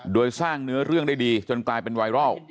โดยสร้างเนื้อเรื่องได้ดีจนกลายเป็นไวรัล